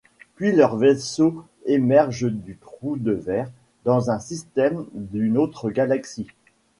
Puis leur vaisseau émerge du trou de ver dans un système d'une autre galaxie.